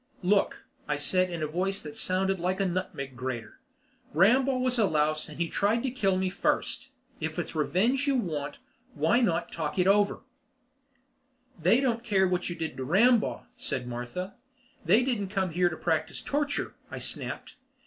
"Look," I said in a voice that sounded like a nutmeg grater, "Rambaugh was a louse and he tried to kill me first. If it's revenge you want why not let's talk it over?" "They don't care what you did to Rambaugh," said Martha. "They didn't come here to practice torture," I snapped.